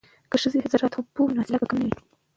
که ښځې زراعت پوهې وي نو حاصلات به کم نه وي.